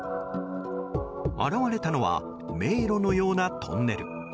現れたのは迷路のようなトンネル。